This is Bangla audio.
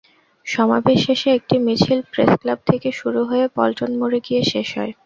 সমাবেশ শেষে একটি মিছিল প্রেসক্লাব থেকে শুরু হয়ে পল্টন মোড়ে গিয়ে শেষ হয়।